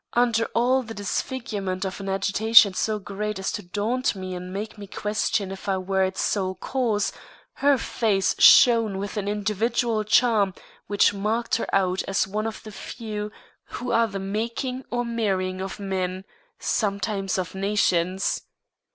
Under all the disfigurement of an agitation so great as to daunt me and make me question if I were its sole cause, her face shone with an individual charm which marked her out as one of the few who are the making or marring of men, sometimes of nations.